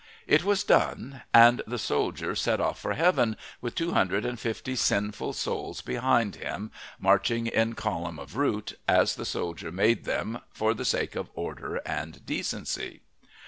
It was done, and the soldier set off for heaven with two hundred and fifty sinful souls behind him, marching in column of route, as the soldier made them for the sake of order and decency.